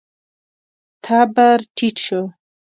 تبر ټيټ شو.